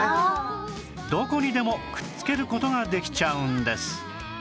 どこにでもくっつける事ができちゃうんです